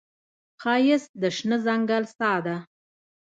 ښایست د شنه ځنګل ساه ده